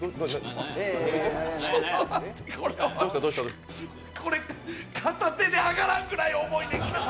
ちょっと待って、これ片手で上がらんぐらい重いねんけど。